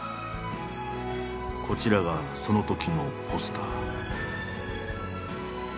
こちらがそのときのポスター。